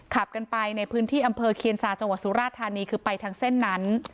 ขับกันไปในพื้นที่อำเภอเคียนซาจังหวัดสุราธานีคือไปทางเส้นนั้น